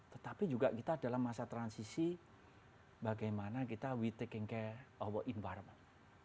tetapi juga kita dalam masa transisi bagaimana kita we taking care our environment